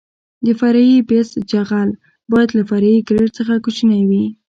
د فرعي بیس جغل باید له فرعي ګریډ څخه کوچنی وي